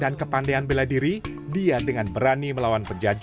disaat broke level berikutnya bisa menyerahkan sekat lagi